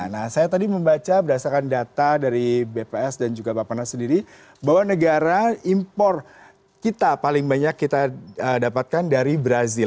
nah saya tadi membaca berdasarkan data dari bps dan juga bapak nas sendiri bahwa negara impor kita paling banyak kita dapatkan dari brazil